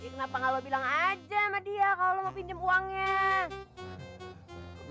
kenapa gak lu bilang aja sama dia kalau mau pinjem uangnya